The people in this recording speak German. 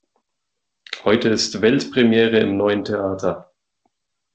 Heute ist Weltpremiere im neuen Theater.